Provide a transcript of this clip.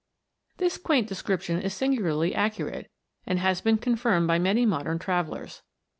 This quaint description is singularly accurate, and has been con firmed by many modern travellers.